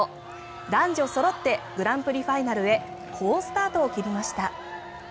男女そろってグランプリファイナルへ好スタートを切りました。